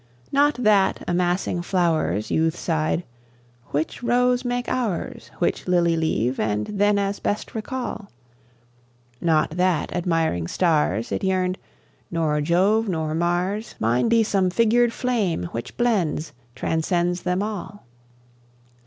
Not that, amassing flowers, Youth sigh'd, "Which rose make ours, Which lily leave and then as best recall?" Not that, admiring stars, It yearn'd, "Nor Jove, nor Mars; Mine be some figured flame which blends, transcends them all!"